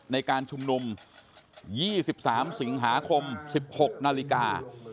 ในการชุมนุม๒๓สิงหาคม๑๖นาฬิกา